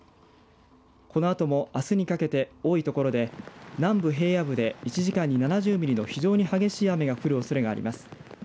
このあともあすにかけて多い所で南部平野部で１時間に７０ミリの非常に激しい雨が降るおそれがあります。